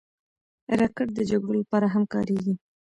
راکټ د جګړو لپاره هم کارېږي